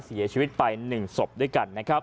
เสียชีวิตไป๑ศพด้วยกัน